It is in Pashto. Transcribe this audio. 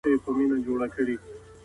پلار ویل زویه دلته نر هغه سړی دی